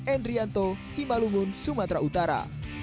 endrianto simalungun sumatera utara